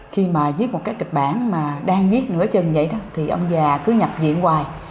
khi mà viết một cái kịch bản mà đang viết nửa chân vậy đó thì ông già cứ nhập diện ngoài